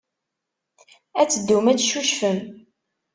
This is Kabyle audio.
Ad teddum ad teccucfem.